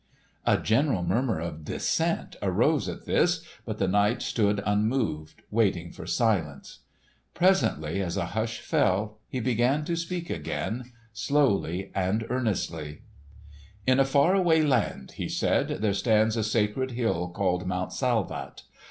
A general murmur of dissent arose at this, but the knight stood unmoved waiting for silence. Presently as a hush fell, he began to speak again, slowly and earnestly. "In a far away land," he said, "there stands a sacred hill called Mount Salvat.